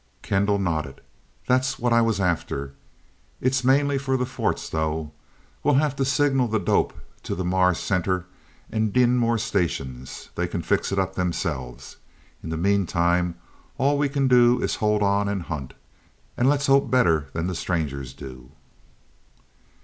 Kendall nodded. "That's what I was after. It is mainly for the forts, though. We'll have to signal the dope to the Mars Center and Deenmor stations. They can fix it up, themselves. In the meantime all we can do is hold on and hunt, and let's hope better than the Strangers do."